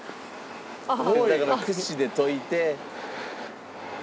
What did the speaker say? だからくしでといて。